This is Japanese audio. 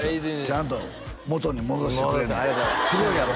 ちゃんと元に戻してくれたすごいやろ？